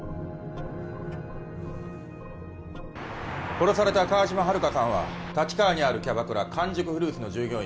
殺された川島春香さんは立川にあるキャバクラ「完熟フルーツ」の従業員